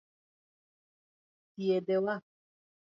Thiedhe wa.